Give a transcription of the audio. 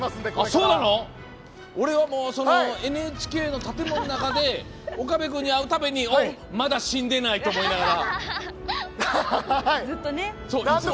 俺は、もうＮＨＫの建物の中で岡部君に会うためにまだ死んでないと思いながら。